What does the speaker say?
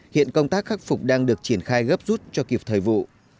hiện công tác khắc phục đang được triển khai gấp rút cho kịp thời vụ